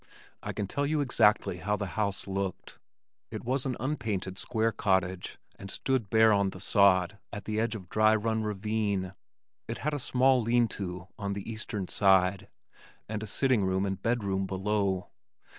I can tell you exactly how the house looked. It was an unpainted square cottage and stood bare on the sod at the edge of Dry Run ravine. It had a small lean to on the eastern side and a sitting room and bedroom below.